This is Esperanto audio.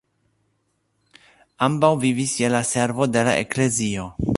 Ambaŭ vivis je la servo de la eklezio.